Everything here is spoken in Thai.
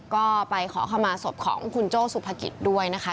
ก็ไปขอเข้ามาศพของคุณโจ้สุภกิจด้วยนะคะ